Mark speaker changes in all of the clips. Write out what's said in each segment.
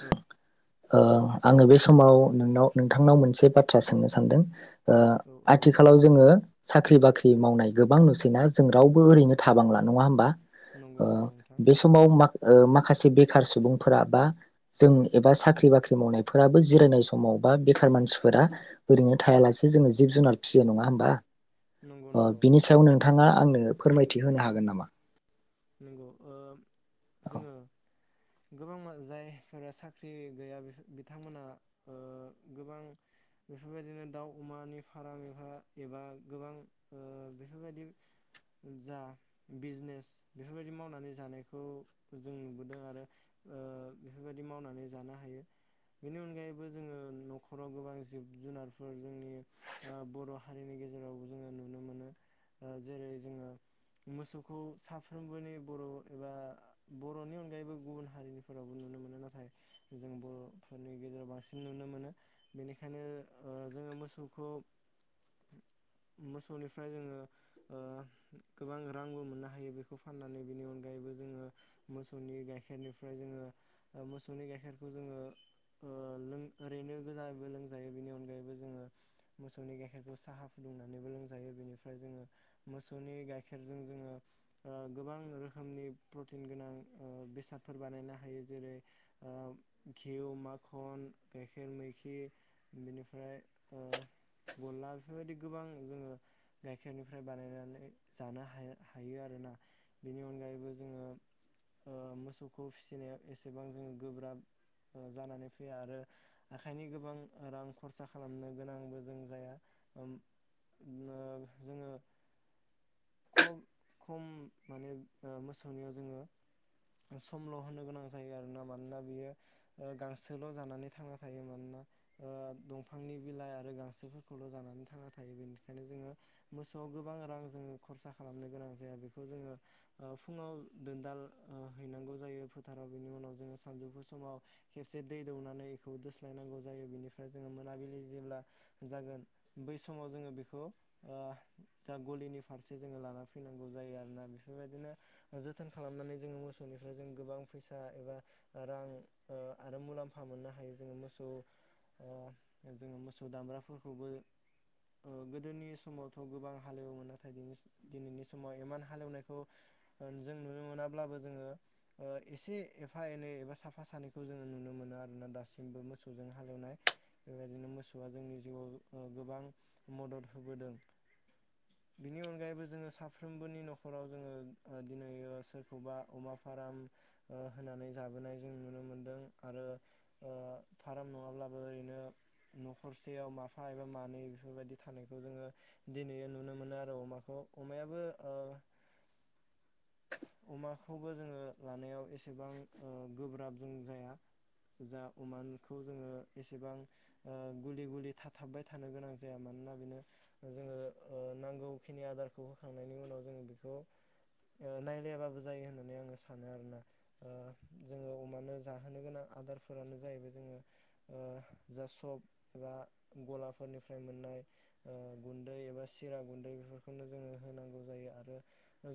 Speaker 1: औ
Speaker 2: ओ आङो बे समाव नोंनाव नोंथांनाव मोनसे बाथ्रा सोंनो सानदों ओ
Speaker 1: औ औ
Speaker 2: आथिखालाव जोङो साख्रि बाख्रि मावनाय गोबां नुसैना जों रावबो ओरैनो थाबांला नङा होमबा
Speaker 1: नंगौ
Speaker 2: ओ
Speaker 1: नंगौ नोंथां
Speaker 2: बे समाव माख ओह माखासे बेखार सुबुंफोरा बा जों एबा साख्रि बाख्रि मावनायफोराबो जिरायनाय समाव बा बेखार मानसिफोरा ओरैनो थायालासे जोङो जिब जुनार फिसियो नङा होमबा?
Speaker 1: नंगौ
Speaker 2: अ
Speaker 1: नंगौ
Speaker 2: बिनि सायाव नोंथाङा आंनो फोरमायथि होनो हागोन नामा?
Speaker 1: नंगौ ओह
Speaker 2: औ
Speaker 1: जोङो गोबां मा जायफोरा साख्रि गैया बि-बिथांमोना ओह गोबां बेफोरबायदिनो दाउ अमानि फाराम एबा एबा गोबां ओह बेफोरबायदि जा बिजनेस। बेफोरबायदि मावनानै जानायखौ जों नुबोदों आरो बेफोरबायदि मावनानै जानो हायो बेनि अनगायैबो जोङो न'खराव गोबां जिब जुनारफोर जोंनि बर' हारिनि गेजेरावबो जोङो नुनो मोनो ओह जेरै जोङो मोसौखौ साफ्रोमबोनि बर' एबा बर'नि अनगायैबो गुबुन हारिनिफोरावबो नुनो मोनो नाथाय जों बर'फोरनि गेजेराव बांसिन नुनो मोनो बेनिखायनो ओहो जोङो मोसौखौ मोसौनिफ्राय ओह जोङो गोबां रांबो मोननो हायो बेखौ फाननानै बिनि अनगायैबो जोङो मोसौनि गाइखेरनिफ्राय जोङो मोसौनि गाइखेरखौ जोङो ओह लों ओरैनो गोजाबो लोंजायो बेनि अनगायैबो जोङो मोसौनि गाइखेरखौ साहा फुदुंनानैबो लोंजायो बेनिफ्राय जोङो मोसौनि गाइखेरजों जोङो ओह गोबां रोखोमनि प्रटिन गोनां ओह बेसादफोर बानायनो हायो जेरै ओह घिउ माखन गाइखेर मैखि बेनिफ्राय ओह गल्ला बेफोरबायदि गोबां जोङो गाइखेरनिफ्राय बानायनानै जानो हायो हा हायो आरोना बेनि अनगायैबो जोङो ओह मोसौखौ फिसिनायाव एसेबां जोङो गोब्राब जानानै फैया आरो आखाइनि गोबां रां खरसा खालामनो गोनांबो जों जाया ओम ओह जोङो खब खम माने ओह मोसौनियाव जोङो समल' होनो गोनां जायो आरोना मानोना बियो ओह गांसोल' जानानै थांना थायो मानोना ओह दंफांनि बिलाइ आरो गांसोफोरखौल' जानानै थांना थायो बेनिखायनो जोङो मोसौआव गोबां रां जोङो खरसा खालामनो गोनां जाया बेखौ जोङो ओ फुङाव दोनदाल ओ हैनांगौ जायो फोथाराव बिनि उनाव जोङो सानजौफु समाव खेबसे दै दौनानै इखौ दोस्लायनांगौ जायो बेनिफ्राय जोङो मोनाबिलि जेब्ला जागोन बै समाव जोङो बेखौ ओह दा गलिनि फारसे जोङो लाना फैनांगौ जायो आरोना बेफोरबायदिनो जोथोन खालामनानै जोङो मोसौनिफ्राय जों गोबां फैसा एबा रां ओह आरो मुलाम्फा मोननो हायो जोङो मोसौ ओह जोङो मोसौ दामग्राफोरखौबो गोदोनि समावथ' गोबां हालेवोमोन नाथाय बेनि दिनैनि समाव इमान हालेवनायखौ ओ जों नुनो मोनाब्लाबो जोङो ओह एसे एफा एनै एबा साफा सानैखौ जोङो नुनो मोनो आरोना दासिमबो मोसौजों हालेवनाय बेबायदिनो मोसौआ जोंनि जिउआव ओ गोबां मदद होबोदों बिनि अनगायैबो जोङो साफ्रोमबोनि न'खराव जोङो ओ दिनैयो सोरखौबा अमा फाराम ओ होनानै जाबोनाय जों नुनो मोनदों आरो ओह फाराम नङाब्लाबो ओरैनो न'खरसेयाव माफा एबा मानै बेफोरबायदि थानायखौ जोङो दिनैयो नुनो मोनो आरो अमाखौ अमायाबो ओ अमाखौबो जोङो लानायाव एसेबां ओ गोब्राब जों जाया जा अमाखौ जोङो एसेबां ओ गुलि गुलि थाथाबबाय थानो गोनां जाया मानोना बेनो जोङो ओ नांगौखिनि आदारखौ होखांनायनि उनाव जोङो बेखौ ओ नाय याबाबो जायो होननानै आङो सानो आरोना ओ जोङो अमानो जाहोनो गोनां आदारफोरानो जाहैबाय जोङो ओ जा सब एबा गलाफोरनिफ्राय मोननाय ओ गुन्दै एबा सिरा गुन्दै बेफोरखौनो जोङो होनांगौ जायो आरो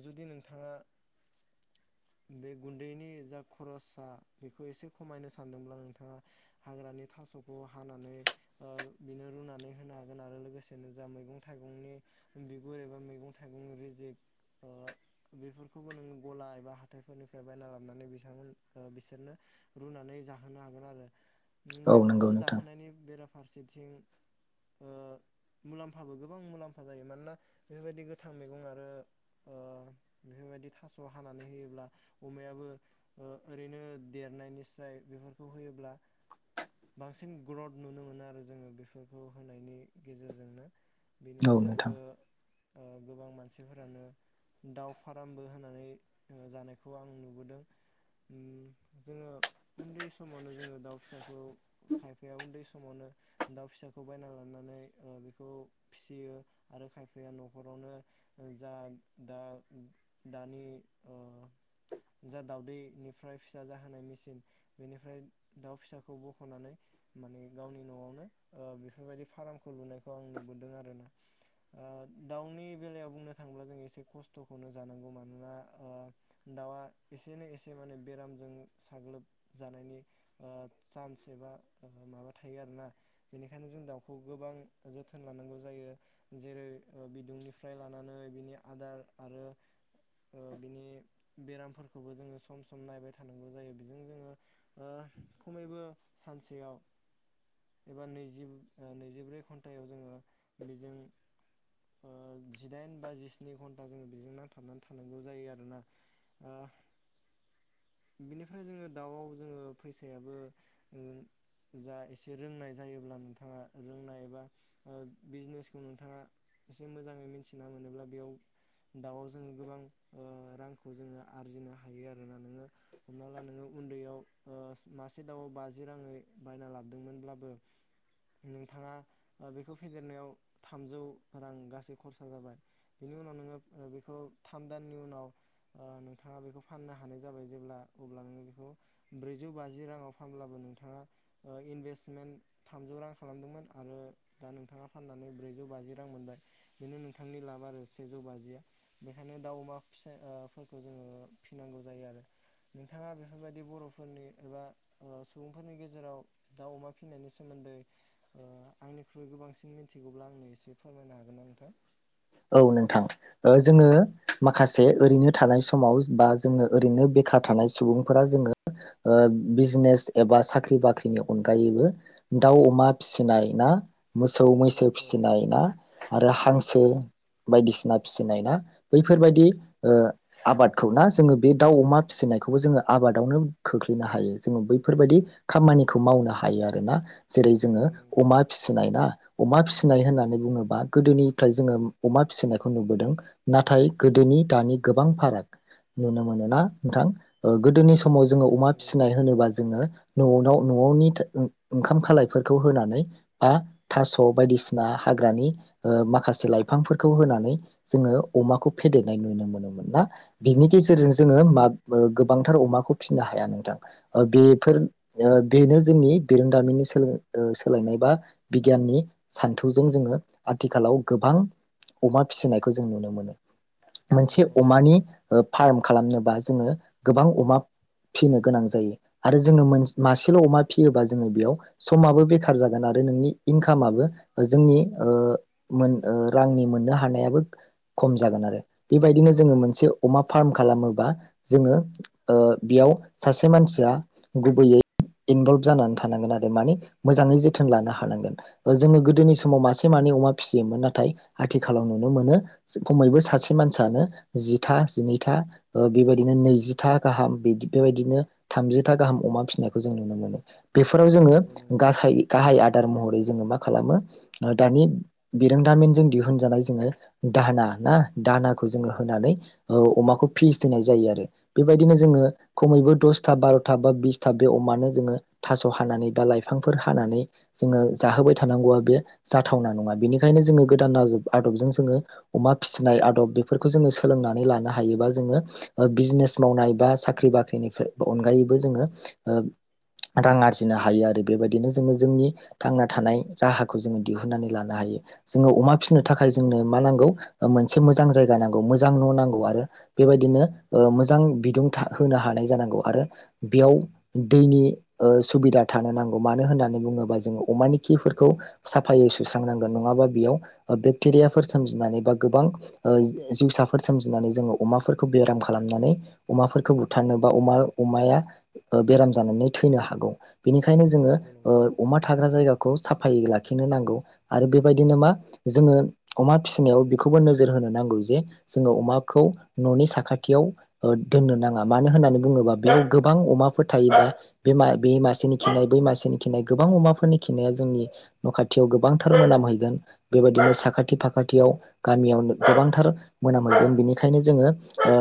Speaker 1: जुदि नोंथाङा बे गुन्दैनि जा खरसा बेखौ एसे खमायनो सानदोंब्ला नोंथाङा हाग्रानि थासखौ हानानै ओ बेनो रुनानै होनो हागोन आरो लोगोसेनो जा मैगं थाइगंनि बिगुर एबा मैगं थाइगंनि रेजिक ओ बेफोर खौबो नोङो गला एबा हाथायफोरनिफ्राय बायना लाबनानै बिथांमोन बिसोरनो रुनानै जाहोनो हागोन आरो। ओम
Speaker 2: औ
Speaker 1: बेफोरखौ
Speaker 2: नंगौ नोंथां
Speaker 1: जाहोनायनि बेरा फारसेथिं ओ मुलाम्फाबो गोबां मुलाम्फा जायो मानोना बेफोरबायदि गोथां मैगं आरो ओ बेफोरबायदि थास हानानै होयोब्ला अमायाबो ओ ओरैनो देरनायनिस्राय बेफोरखौ होयोब्ला बांसिन ग्रथ नुनो मोनो आरो जोङो बेफोरखौ होनायनि गेजेरजोंनो बेनि
Speaker 2: औ नोंथां
Speaker 1: अनगायैबो ओ गोबां मानसिफोरानो दाउ फारामबो होननानै ओ जानायखौ आं नुबोदों ओम जोङो उन्दै समावनो जोङो दाउ फिसाखौ खायफाया उन्दै समावनो दाउ फिसाखौ बायना लानानै ओ बेखौ फिसियो आरो खायफाया न'खरावनो ओ जा दा दानि ओ जा दउदैनिफ्राय फिसा जाहोनायनिसिम बेनिफ्राय दाउ फिसाखौ बखनानै माने गावनि नआवनो ओ बेफोरबायदि फार्मखौ लुनायखौ आं नुबोदों आरो ना ओ दाउनि बेलायाव बुंनो थाङोब्ला जों एसे खस्थ'खौनो जानांगौ मानोना ओ दाउआ एसेनो एसे माने बेरामजों साग्लोबजानायनि ओ चान्स एबा माबा थायो आरोना बेनिखायनो जों दाउखौ गोबां जोथोन लानांगौ जायो जेरै ओ बिदुंनिफ्राय लानानै बिनि आदार आरो ओ बिनि बेरामफोरखौबो जोङो सम सम नायबाय थानांगौ जायो बेजों जोङो ओ खमैबो सानसेयाव एबा नैजि नैजिब्रै घन्टायाव जोङो बेजों ओ जिदाइन बा जिस्नि घन्टा जोङो बेजों नांथा बनानै थानांगौ जायो आरोना ओ बिनिफ्राय जोङो दाउआव जोङो फैसायाबो ओ जा एसे रोंनाय जायोब्ला नोंथाङा रोंनाय एबा ओ बिजनेसखौ नोंथाङा एसे मोजाङै मिथिना मोनोब्ला बेयाव दाउआव जोङो गोबां ओ रांखौ जोङो आरजिनो हायो आरोना नोङो हमना ला नोङो उन्दैयाव ओ मासे दाउआव बाजि राङै बायना लाबोदोंमोनब्लाबो नोंथाङा ओ बेखौ फेदेरनायाव थामजौ रां गासै खरसा जाबाय बेनि उनाव नोङो ओ बेखौ थाम दाननि उनाव ओ नोंथाङा बेखौ फाननो हानाय जाबाय। जेब्ला अब्ला नोंङो बेखौ ब्रैजौ बाजि राङाव फानब्लाबो नोंथाङा इनभेस्टमेन्ट थामजौ रां खालामदोंमोन आरो दा नोंथाङा फाननानै ब्रैजौ बाजि रां मोनबाय बेनो नोंथांनि लाब आरो सेजौ बाजिया बेखायनो दाउ अमा फिसाफोरखौ जोङो फिनांगौ जायो आरो। नोंथाङा बेफोरबायदि बर'फोरनि एबा सुबुंफोरनि गेजेराव दाउ अमा फिनायनि सोमोन्दै ओ आंनिख्रुइ गोबांसिन मिथिगौब्ला आंनो एसे फोरमायनो हागोन ना नोंथां?
Speaker 2: औ नोंथां जोङो माखासे ओरैनो थानाय समाव बा जोङो ओरैनो बेखार थानाय सुबुंफोरा जोङो बिजनेस एबा साख्रि बाख्रिनि अनगायैबो दाउ अमा फिसिनाय ना मोसौ
Speaker 1: औ
Speaker 2: मैसो
Speaker 1: औ
Speaker 2: फिसिनाय ना आरो हांसो बायदिसिना फिसिनाय ना बैफोरबायदि ओ आबादखौ ना जोङो बे दाउ अमा फिसिनायखौबो जोङो आबादावनो खोख्लैनो हायो जोङो बैफोरबायदि खामानिखौ मावनो हायो आरोना जेरै जोङो
Speaker 1: नंगौ नंगौ
Speaker 2: अमा फिसिनाय ना अमा फिसिनाय होननानै बुङोबा गोदोनिफ्राय जोङो अमा फिसिनायखौ नुबोदों नाथाय गोदोनि दानि गोबां फाराग नुनो मोनोना नोंथां? ओ गोदोनि
Speaker 1: औ
Speaker 2: समाव जोङो
Speaker 1: नंगौ
Speaker 2: अमा फिसिनाय होनोबा जोङो न'वाव न'नि ओंख ओंखाम खालायफोरखौ होनानै बा थास' बायदिसिना हाग्रानि ओ माखासे लाइ फांफोरखौ होनानै जोङो अमाखौ फेदेरनाय नुनो मोनोमोन ना? बिनि
Speaker 1: नंगौ
Speaker 2: गेजेरजों
Speaker 1: नंगौ
Speaker 2: जोङो मा ओ गोबांथार अमाखौ फिसिनो हाया नोंथां ओ बेफोर ओ बेनो जोंनि बिरोंदामिननि सोलों ओ सोलोंनाय बा बिगियाननि सान्थौजों जोङो आथिखालाव गोबां अमा फिसिनायखौ जों नुनो मोनो। मोनसे
Speaker 1: नंगौ नंगौ
Speaker 2: अमानि ओ फार्म खालामनोबा जोङो गोबां अमा फिसिनो गोनां जायो आरो जोङो मोन मासेल अमा फियोबा जोङो बेयाव समाबो बेखार जागोन आरो नोंनि इनकामाबो जोंनि ओ मोन ओ रांनि मोननो हानायाबो खम जागोन आरो बेबायदिनो जोङो मोनसे अमा फार्म खालामोबा जोङो ओ बेयाव सासे मानसिया गुबैयै इनभल्भ जानानै थानांगोन आरो मानि मोजाङै जोथोन लानो हानांगोन जोङो गोदोनि समाव मासे मानै अमा फिसियोमोन नाथाय आथिखालाव नुनो मोनो खमैबो सासे मानसियानो जिथा जिनैथा बेबायदिनो नैजिथा गाहाम बि बेबायदिनो थामजिथा गाहाम अमा फिसिनायखौ जों नुनो मोनो बेफोराव जोङो
Speaker 1: नंगौ नंगौ
Speaker 2: गाहाय गाहाय महरै जोंङो मा खालामो ओ दानि बिरोंदामिजों दिहु दिहुजानाय जोङो दाना ना दानाखौ जोङो होनानै ओ अमाखौ फिसिनाय जायो आरो बेबायदिनो जोङो खमैबो दसथा बारथा बा बिसथा बे अमानो जोङो थास हानानै बा लाइफांफोर हानानै जोङो जाहोबाय थानांगौआ बे जाथावना नङा बेनिखायनो जोङो गोदान आदब आदबजों जोङो अमा फिसिनाय आदब बेफोरखौ जोङो सोलोंनानै लानो हायोबा जोङो बिजनेस मावनाय बा साख्रि बाख्रिनि अनगायैबो जोङो ओ रां आरजिनो हायो आरो बेबायदिनो जोङो जोंनि थांना थानाय राहाखौ जोङो दिहुनन्नानै लानो हायो जोङो अमा फिसिनो थाखाय जोंनो मा नांगौ मोनसे मोजां जायगा नांगौ मोजां न नांगौ आरो बेबायदिनो ओ मोजां बिदुं होनो हानाय जानांगौ आरो बेयाव दैनि ओ सुबिदा थानो नांगौ मानो होननानै बुङोबा जोङो अमानि खिफोरखौ साफायै सुस्रांनांगोन नङाबा बेयाव बेक्टेरियाफोर सोमजिनानै बा गोबां ओ जिउसाफोर सोमजिनानै जोङो अमाफोरखौ बेराम खालामनानै अमाफोरखौ बुथारनो बा अमा अमाया बेराम जानानै थैनो हागौ बिनिखायनो जोङो
Speaker 1: नंगौ नंगौ
Speaker 2: ओ अमा थाग्रा जायगा खौ साफायै लाखिनो नांगौ आरो बेबायदिनो मा जोङो अमा फिसिनायाव बेखौबो नोजोर होनो नांगौ जे जोङो अमाखौ ननि साखाथियाव ओ दोननो नाङा मानो होननानै बुङोबा बेयाव गोबां अमाफोर थायोब्ला बे बे मासेनि खिनाय बै मासेनि खिनाय गोबां अमाफोरनि खिनाया जोंनि न खाथियाव गोबांथार मोननाम हैैगोन बेबायदिनो साखाथि फाखाथियाव गामियाव गोबांथार मोनामहैगोन बिनिखायनो जोङो ओ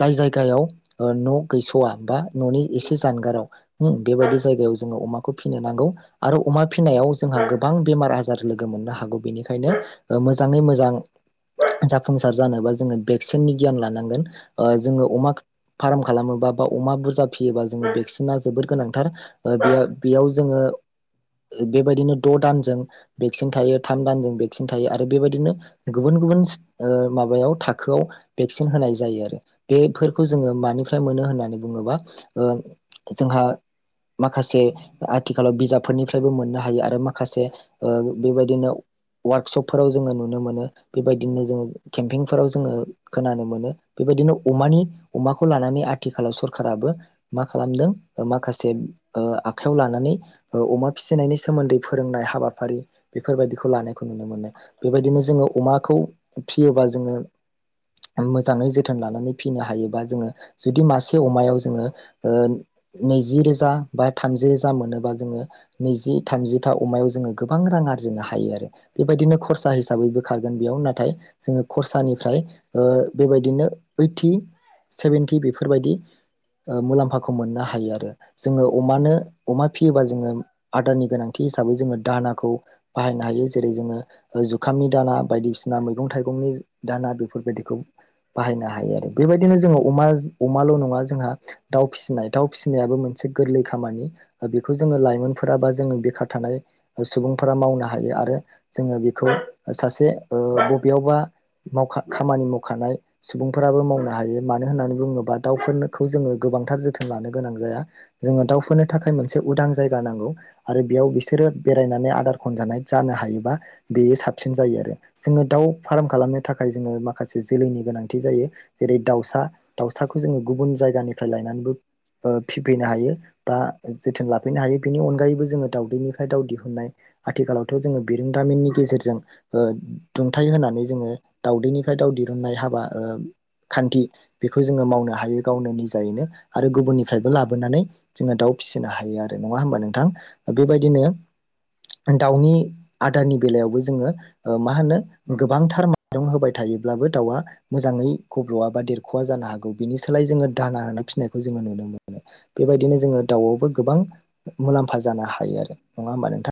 Speaker 2: जाय जायगायाव ओ न गैसवा बा ननि एसे जानगाराव होम बेबायदि जायगायाव जोङो अमाखौ फिसिनो नांगौ आरो अमा फिसिनायाव
Speaker 1: नंगौ
Speaker 2: जोंहा गोबां बेमार आजार लोगो मोननो हागौ बेनिखायनो बेनिखायनो मोजाङै मोजां जाफुंसार जानोबा जोङो भेकसिननि गियान लानांगोन ओ जोङो अमा फार्म खालामोबा बा अमा बुरजा फियोबा जों भेक्सिना जबोर गोनांथार ओ बेयाव जोङो बेबायदिनो द दानजों भेक्सिन थायो थाम दान भेक्सिन थायो आरो बेबायदिनो गुबुन गुबुन ओ माबायाव थाखोआव भेक्सिन होनाय जायो आरो बेफोरखौ जोङो
Speaker 1: नंगौ
Speaker 2: मानिफ्राय मोनो होननानै बुङोबा ओ जोंहा माखासे आथिखालाव बिजाबफोरनिफ्रायबो मोननो हायो आरो माखासे ओ बेबायदिनो वार्कशपफोराव जोङो नुनो मोनो बेबायदिनो जोङो केम्पिंफोराव जोङो खोनानो मोनो बेबायदिनो अमानि अमाखौ लानानै आथिखालाव सरखाराबो मा खालामदों माखासे ओ आखाइयाव लानानै अमा फिसिनायनि सोमोन्दै फोरोंनाय हाबाफारि बेफोरबायदिखौ लानाय नुनो मोनो बेबायदिनो जोङो अमाखौ फिसियोबा जोङो मोजाङै जोथोन लानानै फिसिनो हायोबा जोङो जुदि मासे अमायाव जोङो नैजि रोजा बा थामजि रोजा मोनोबा जोङो नैजि थामजिथा अमायाव जोङो गोबां रां आरजिनो हायो आरो बेबायदिनो खरसा हिसाबैबो खारगोन बेयाव नाथाय जोङो खरसानिफ्राय ओ बेबायदिनो ओइटि सेभेनटि बेफोरबायदि मुलाम्फाखौ मोननो हायो आरो जोङो अमानो अमा फियोबा जोङो आदारनि गोनांथि हिसाबै जोङो दानाखौ बाहायनो हायो जेरै जोङो जुखामनि दाना बायदिसिना मैगं थाइगंनि दाना बेफोरबायदिखौ बाहायनो हायो आरो बेबायदिनो जोङो अमा अमाल नङा जोंहा दाउ फिसिनाय दाउ फिसिनायाबो मोनसे गोरलै खामानि बेखौ जोङो लाइमोनफोरा बा जों बेखार थानाय सुबुंफोरा मावनो हायो आरो जोङो बेखौ सासे ओ बबेयावबा खामानि मावखानाय सुबुंफोराबो मावनो हायो मानो होननानै बुङोबा दाउफोरखौ जोङो गोबांथार जोथोन लानो गोनां जाया जोङो दाउफोरनो थाखाय मोनसे उदां जायगा नांगौ आरो बेयाव बिसोरो बेरायनानै आदार खनजानाय जानो हायो बा बेयो साबसिन जायो आरो जोङो दाउ फार्म खालामनो थाखाय जोङो माखासे जोलैनि गोनांथि जायो जेरै दाउसा दाउसाखौ जोङो गुबुन जायगानिफ्राय लायनानैबो फिफैनो हायो बा जोथोन लाफैनो हायो बेनि अनगायैबो जोङो दाउदैनिफ्राय दाउ दिहुननाय आथिखालावथ जोङो बिरोंदामिननि गेजेरजों ओ दुंथाइ होनानै जोङो दाउदैनिफ्राय दाउ दिरुननाय हाबा खान्थि बेखौ जोङो मावनो हायो गावनो निजायैनो आरो गुबुननिफ्रायबो लाबोनानै जोङो दाउ फिसिनो हायो आरो नङा होमबा नोंथां बेबायदिनो दाउनि आदारनि बेलायावबो जोङो मा होनो गोबांथार माइरं होबाय थायोब्लाबो दाउआ मोजाङै गब्लआ बा देरखवा जानो हागौ बिनि सोलाय जोङो
Speaker 1: नंगौ
Speaker 2: दाना होना
Speaker 1: नंगौ
Speaker 2: फिसिनायखौ जोङो नुनो मोन बेबायदिनो जोङो दाउआवबो गोबां मुलाम्फा जानो हायो आरो नङा होमबा नोंथां